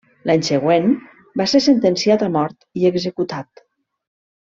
L'any següent, va ser sentenciat a mort i executat.